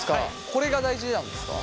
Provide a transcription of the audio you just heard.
これが大事なんですか？